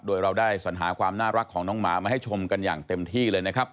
โดยเราได้สัญหาความน่ารักของน้องหมามาให้ชมกันอย่างเต็มที่เลยนะครับ